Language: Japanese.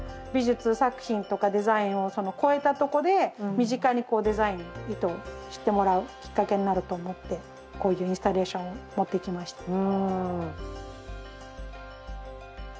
美術作品とかデザインを超えたとこで身近にこうデザインを意図してもらうきっかけになると思ってこういうインスタレーションを持ってきました。